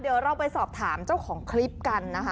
เดี๋ยวเราไปสอบถามเจ้าของคลิปกันนะคะ